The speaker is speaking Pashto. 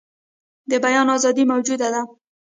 د بیان آزادي موجوده ده.